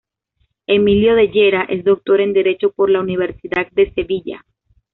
Emilio de Llera es doctor en Derecho por la Universidad de Sevilla.